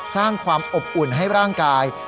สร้างความอบอุ่นให้ร่างกาย